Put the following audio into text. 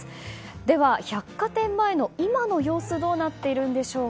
では、百貨店前の今の様子はどうなっているんでしょうか。